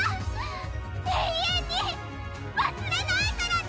永遠に忘れないからね！